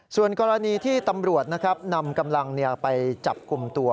ส่วนกรณีที่ตำรวจนะครับนำกำลังไปจับกลุ่มตัว